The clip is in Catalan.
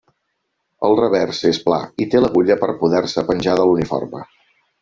El revers és pla, i té l'agulla per poder-se penjar de l'uniforme.